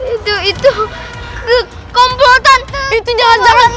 itu itu komplotan itu jangan jangan